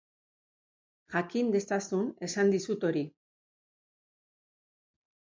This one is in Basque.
Jakin dezazun esan dizut hori.